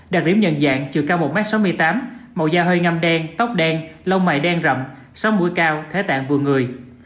đặc điểm nhận dạng chiều cao một m sáu mươi tám màu da hơi ngâm đen tóc đen lông mày đen rậm sống mũi cao thế tạng vừa người